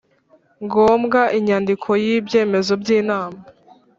Ngombwa inyandiko y ibyemezo by inama